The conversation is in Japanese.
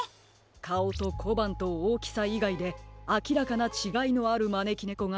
かおとこばんとおおきさいがいであきらかなちがいのあるまねきねこがひとつあります。